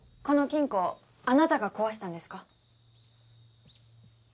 この金庫あなたが壊したんですか？